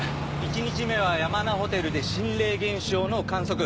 １日目は山名ホテルで心霊現象の観測。